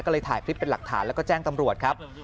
ก็เลยถ่ายคลิปเป็นหลักฐานแล้วก็แจ้งตำรวจครับ